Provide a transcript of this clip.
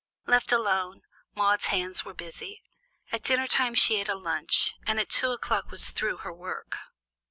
Left alone, Maude's hands were busy. At dinner time she ate a lunch, and at two o'clock was through her work.